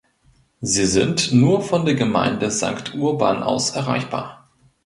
Sie sind nur von der Gemeinde Sankt Urban aus erreichbar.